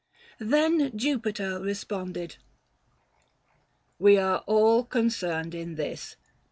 Then Jupiter responded :" We are all Concerned in this.